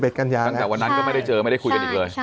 ตั้งแต่วันนั้นก็ไม่ได้เจอไม่ได้คุยกันอีกเลย